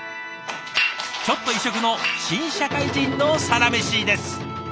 ちょっと異色の新社会人のサラメシです。